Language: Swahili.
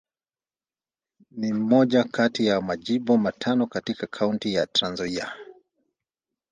Ni moja kati ya Majimbo matano katika Kaunti ya Trans-Nzoia.